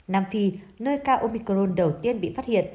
nam phi nơi ca omicron đầu tiên bị phát hiện